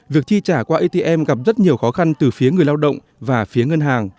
việc chi trả qua atm gặp rất nhiều khó khăn từ phía người lao động và phía ngân hàng